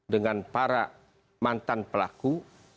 dengan para mantan pelaku